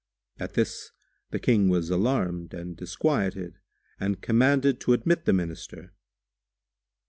At this the King was alarmed and disquieted and commanded to admit the Minister.